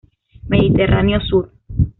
Mediterráneo Sur.